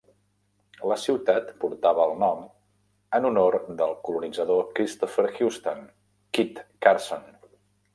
La ciutat portava el nom en honor del colonitzador Christopher Houston "Kit" Carson.